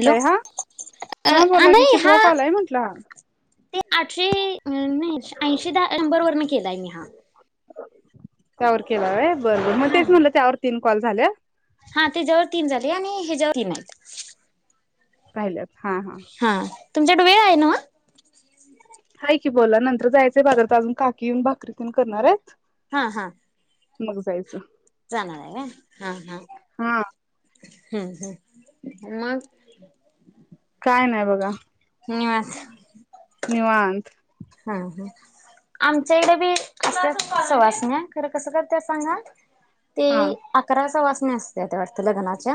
Hello हा अ हा आ बोला की हा कितवा कॉल आहे म्हटलं हा ते आठशे नाही ऐंशी द नंबर वरने केलाय मी हा. त्यावर केलाय बरोबर मग हा तेच म्हटलं त्यावर तीन कॉल झाल्या. हा ते ज्याववर तीन झाले आणि हे जेव तीन आहेत. राहिल्यात हा हा. हा तुमच्याकडडे वेळ आहे ना वा. ह की बोला नंतर जायचय बाजार तर अजून काकी येऊन भाकरीतन करणार आहेत. हा हा. मग जायचं णार आहे का हा हा हा हम् हम् मग काय नाही बघा निवास निवाांत हम हम आमच्या इडे बी असत सवासणी खरं कसं करते सांगा ते हा अकराचा वाचने असते त्या वा लग्नाच्या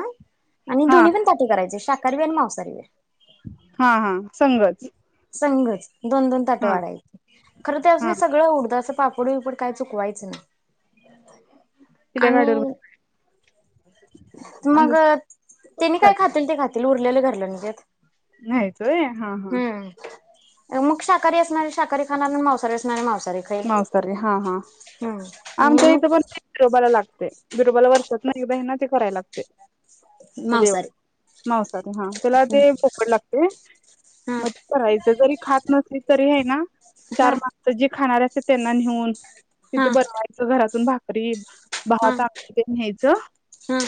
आणि हा दोन्ही पण त्या कयचे शाखरीवी आणि मांसारी व हा हा संगच संघच दोन दोन ताट वाढाय खरं त्या हा असून सगळं उडद असं पापड विपड काय चुकवायचं ना तिल्या गाडी्यावर मग तेने काय खातील ते खातील उरलेलं घरलं म्हजत नाहीचोय हा हा मग शाकहारी असणारे शाकह खाना मवसारी असणारे मवसारी नवस्तारी हा हा आमच्या आणि मग इथं पण बिरोबाला लागते बिरोबाला वर्षात नाही बहि ना ते कराय लागते मांसाहारी मवसाारी हा त्याला ते पोकड लागते हा म करायच जरी खात नसली तरी आहे ना हा चार मा तर जे खाणार असे त्यांना नेऊन हा तिथं बनवायचं घरातून भाकरी भाह हा तिथ न्यायचं हा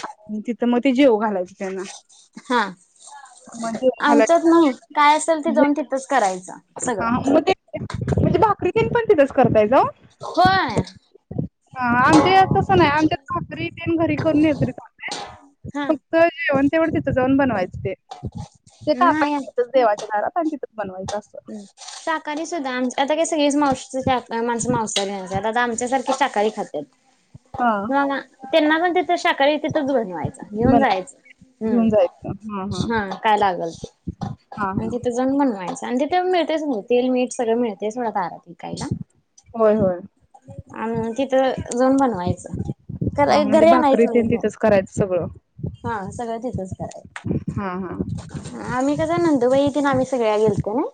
तिथं मग ते जेव घालायचं त्यांना हा मग जेव आमचच घालायचं नाही काय असेल ते जाऊन तिथंच करायचं हा सगळं मग ते म्हणजे भाकरी तन पण तिथेच करताय जाऊ होय हा आमच्या तसं नाही आमच्या खज्रीन घरी करून येत रे चालते हा फक्त जेव तेवढती त जाऊन बनवायच ते तेे का काय नाही करच देवाच्या दारात आणि तिथंच बनवायचं असतं हम्म शाकाहारी सुद्धा आमचे आता का सगळीच माशी माणसं मांसाहारी आता आमच्यासारखी शाकारी खातात हा मग त्यांना पण तिथ शाकाहारी तिथच बनवायचं घेऊन बनवायचं जायचं घेऊन जायचं हा हम् हा काय लागल ते हा हा म्हणजे ते जण बनवायचं आणि तेल मीठ सगळं मिळते थडा तारातकाईला होय होय आणि तिथं जन बनवायचं हा म्हणजे घरी भाकरी आणायचं नाही तेन ते तिथंच करायचं सगळं हा सगळं तिथंच कराच हा हा आम्ही कस नंदू व इथन आम्ही सगळ्या गेलतो ना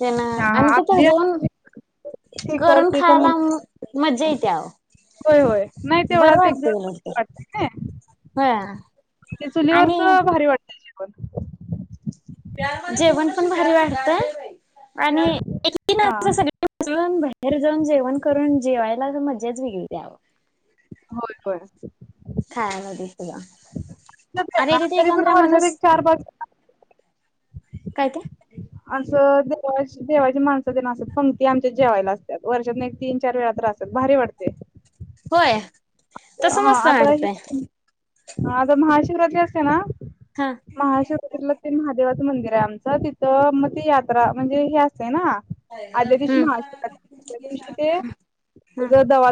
ते ना हा आणि हा ते आपली जाऊन ती कर करून ती कर म्हण खायला मजा येते होय होय नाही बरं तेवढाच एक वाटतंय उलट दिवस ते. वाटत. होय आणि चुलीवरच भारी वाटतय जेवण. जेवण पण भारी वाढतं आणि हा ून बाहेर जाऊन जेवण करून जेवायला मजाच विकगली दव होय होय. खायला दिस ना तरी पण वर्षात एक चार पाच काय ते. असं दे देवाची माणसं दे न असत पक्ती आमच्या जेवायला असतात वर्षात एक तीन चार वेळात रा असतात. भारी वाटतय. होय तस मस्त आता हे मडतय हा आता महाशिवराती असते ना. हा. महाशिवरातीला ते महादेवाचं मंदिर आहे आमचं तिथं मग ते यात्रा म्हणजे हे असतें ना. आदल्या दिवशी हम्म महाशीवरात्री दिवशी ते हा जर दवा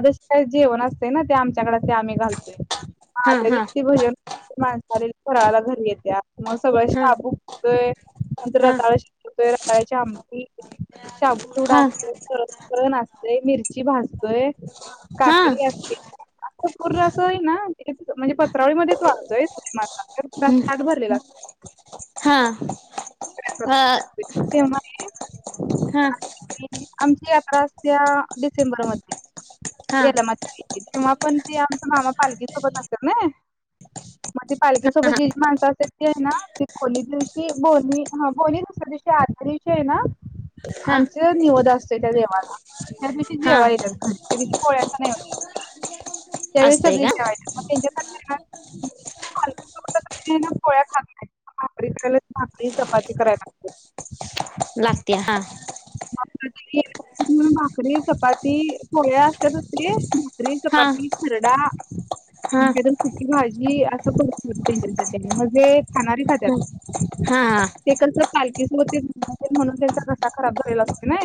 जेवण असतं ना ते आमच्याकडे ते आम्ही घालतोय हा माझ्या हा दिव भजन माणसा आले कराला घरी घेत्या मग सगळ्या हा शाबूतय नंतर हा रताळ च्या आमी शाबू चुडा हा असतो खळ ना असतेय मिरची भासतय हा काकडी असते. पूर अस आहे ना म्हणजे पत्रावळीमध्येच वाढतोय मा ताठ भरलेला असत. हा. अ तेव्हा. हा आमची यात्रा असते डिसेंबरमध्ये हा हा यालाम्मा ची. तेव्हा पण ते आमचा मामा पालखी सोबत असत्यात ना. मग त पालखेसोबत जी जी माणसं असत ती आहे ना खोली दिवशी बली ह बोली दुसऱ्या दिवशी आदल्या दिवशी आहे ना हा आमचा निवद असतोय त्या देवाला त्या दिवशी हा जेवा येतात घरी त्या दिवशी पोळ्यांचा नैवेद्य असतोय त्यावेळी असतंय सगळे का जेवा येतात. त्यां [unintelligible] पोळ्या खात नाही भाकरी चपाती करायला लागते लागतय हा. भाकरी चपाती पोळ्या असत असते. भाकरी हा चपाती खरडा हा हा सुकी भाजी असं करतोय त्यांच्यासाठी आणि म्हणजे खाणारी खात्यात हा ते कसं पालखीच होते म्हणून त्यांचा घसा खराब झालेला असते ना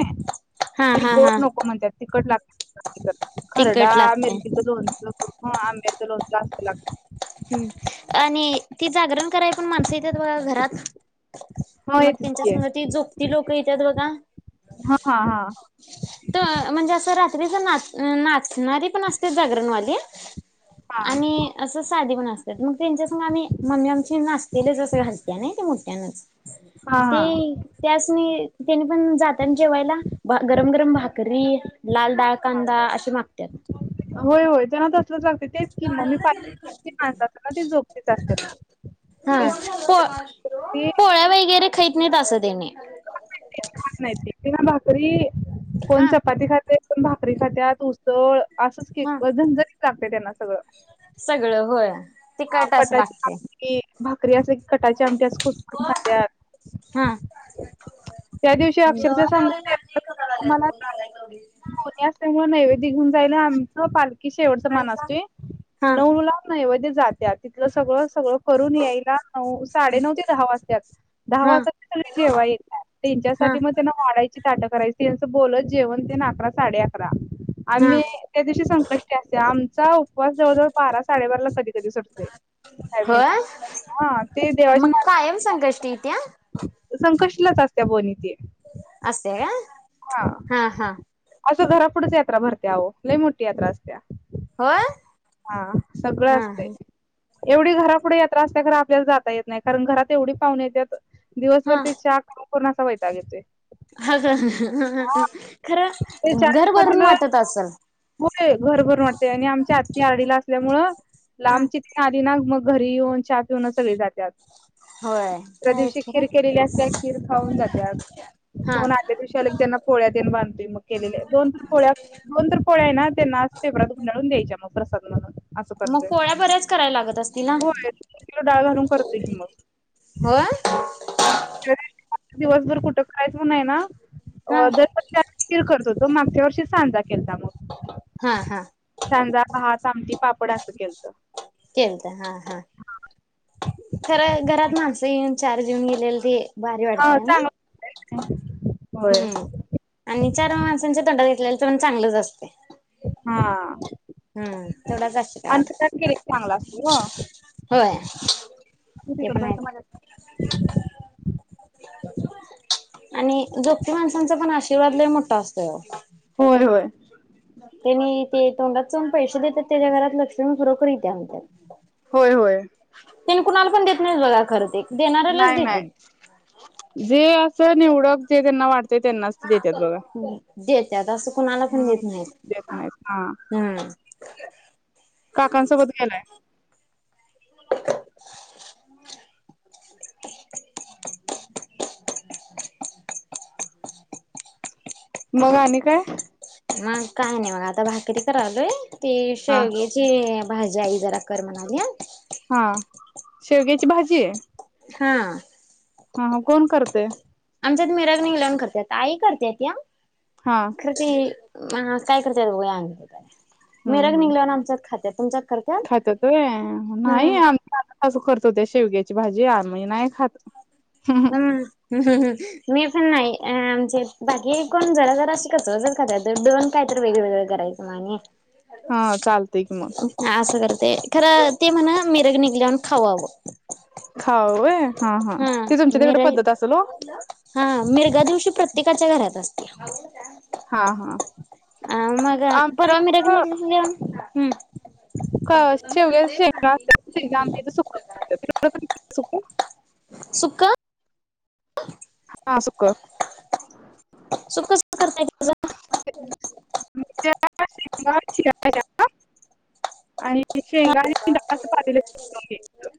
हा ते हा हा गोड नको म्हणतात तिकट लागत खरडा तिखट लागतय मिरचीचं लोणचं ह आंब्याचा लोनच असं लागत. हम्म आणि ती जागरण कराय पण माणसं येत्यात घरात. हा मग येतेच की त्यांच्यासमोर त जोपती लोकं येतात बघा हा हा हा. तर म्हणजे असं रात्रीच नाचणारी पण असते जागरणवाली हा आणि. असं साधी पण असतात मग त्यांच्यास आम्ही मम्मी आमचे नाचतेलेच असं घालत नाही ते मोठ्यानच हा हा ते हा त्यास त्यानी पण जात जेवायला गरम गरम भ करी लाल डाळ हा कांदा अशी मागतात. होय होय जना दसव लागते तेच कि मग मी पाहि माणस ना ते जोपतीच असते हा पो ते पोळ्या वगैरे खैत नाहीत असं त्याने. खात नाही भाकरी कोण हा चपाती खातय. पण भाकरी खात्यात उसळ असंच हा केक झंझणी लागते त्यांना सगळं सगळं होय. ते काय ह तास कटाची लागते आमटी भाकरी असं क कटाची आमटी अस ख खातर हा त्या दिवशी अक्षरश सांगु आमला कोणी असल्यामुळे नैवे दिघून जायला आमचं पालखी शेवटच मान असतोय हा नऊ ला नाही वे जात्या तिथलं सगळं सगळं करून यायला नऊ साडे नऊ ते दहा वाज्यात दहा हा वाजता जेवा येत तीनच्या हा सालीमध्ये ना डायची ताटं करायचीं बोलत जेवण ते ना अकरा साडे अकरा हा आम्ही त्या दिवशी संकष्टी असते आमचा उपवास जवळजवळ बारा साडेबारा ला कधी कधी सुरतो होय हा ते देवाची मग मा कायम संकष्टी येत्या संकष्ट लच असत बोणीत असे का हा असं घरापुढंच यात्रा भरत्याहो लई मोठी यात्रा असत्या होय हा सगळं हा असते हा एवढी घरापुढे येत्र असते घर आपल्यालास जाता येत नाही कारण घरात एवढी पाहु येतात दिवसभर ते हा कोनासा वैता घेतय ह ते खरं घर चहाच्या भरून पातीला वाटत असल होय घरभरून वाटतेय आणि आमच्या आत्ती आडीला असल्यामुळे हा लांबचीित आली ना मग घरी येऊन हा पिऊन सगळे जात होय ते दुस्या आहेच दिवशी खरं खीर केलेली असते खीर खाऊन जाते हा कोण आ शलेक त्यांना पोळ्यात बांधोय मग केलेले दोन तन पोळ्या दोन तर पोळ्या ना त्यांनाच फेब्र उंडाळून द्यायच्या मग प्रसाद म्हणून असं मग करतय पोळ्या बऱ्याच करायला लागत असतील हा होय किल डाळ घालून करते की मग हो दिवसभर कुठं करायचं नाही ना हा अ दर फिर करतोतो मागच्या वर्षी सांजा केलता मग हा हा सांजा हात आमट पापड असं केल खळत हा हा तरर घरात आणि- माणस येऊन चार जेऊन गेलेले ते भारी हा वाडतय ना चांगला असतंय. होय हम्म आणि चार माणसांचे तोंडा घेतलेले तर पण चांगलंच असते हा हम्म तेवढाच अन आशीर्वाद रट चांगला असतो ग होय कीती ते पण क आहेत आणि जोपी माणसांचा पण आशीर्वादला मोठा असतोय होय होय त्यांनी ते तोंडात चोन पैसे देतात त्याच्या घरात लक्ष्मी खरोखरी य त्या्या म्हणतात होय होय त्यांनी कुणाला पण देत नाही बघा खरच नाही नाही जे असं निवडक जे त्यांना वाटते त्यांनाच ते देतात बघा देतत असं कुणाला पण हम्म. देत नाहीत देत नाहीत हा हम्म काकांसोबत गेलाय मग आणि काय मग काय नाही मग आता भाकरी करा आलोय ते हा शेवग्याची भाजी आई जरा कर म्हणाली हा शेवग्याची भाजी आहे हा हा कोण करते आमच्यात म मिरगन निघाल्यावर करतात आई करतयत या हा काय कर बघ मेर निघल्या आम खात तुम खात तोय नाही आमच्या करतोते शेवग्याची भाजी आमही नाही खात हम् ह् मी पण नाही आमचे बाकी कोण जरा जरा श कच जर तर दोन काय तर वेगंवेगळं करायचं म्हणे हा चालते कि मग ह असं करते खरं ते म्हणा मिरग निघल्यावर खाऊ हवं खावाव हा हा तुमच्या तिकडे म पद्धत असेल ओ. हा मिरगा दिवशी प्रत्येकाच्या घरात असते हा हा अ मग आमच्या परवा मी मिरगे हम् का शेवग्या शेंगा आमच्या कडे सुक्या सुका हा सुकं सुकं करताय श आणि शेंगा आणिडा असं प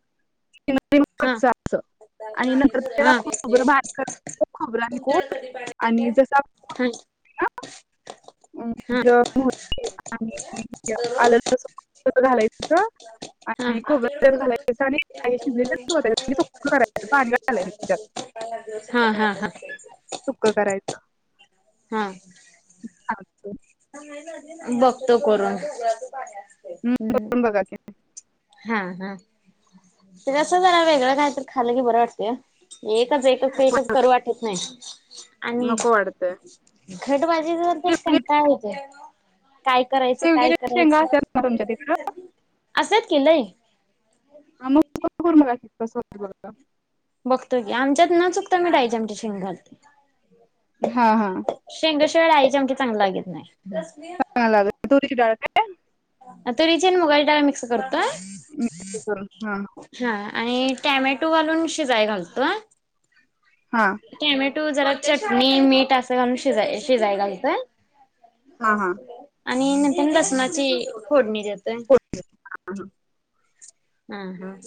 किन हा अस आणि नंतर हा त्याला खोबरं बारीक खोबरं आहे कोठ आणि जस हा ह हा गरम हो आणि आलं घालायच हा आणि खोबरत घालायचं आणि शिजरं करायचं पाणी घालायच हा हा हा सुकं करायचं हा च्छा ह बघतो करून हम्म करुन बघा की हा हा ते कसं जरा वेगळं काय तर खालं की बरं वाटत एकच एक तस एकच करू वाटत नाही आणि नको वाटतंय घटबाजी जर देत का काय होते काय करायचं काय शेवग्याच्या शेंगा करायचं असतात ना तुमच्या तिकडं असच नाही मग बघतो की आमच्यात न चुकता मीडायची आमच्या शिंग घात हा हा शेंग शिवाळा आयच्या आमख चांगलं लागत नाही ह दुडळ तुरीची आणि मुगा टाला मिक्स करू हा हा आणि टॅमॅटो वालून शिजय घालतो हा टमॅटो जरा चटणी मीठ असं घालून शज शिजाय घालचं हा हा आणि नंतर लसणाची फोडणी जातय ह हम् हम